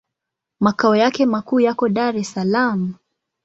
Makao yake makuu yako Dar es Salaam.